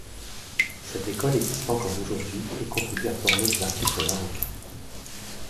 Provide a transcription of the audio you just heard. Cette école existe encore aujourd'hui et contribue à former les artistes marocains.